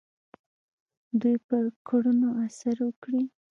دوی پر کړنو اثر وکړي.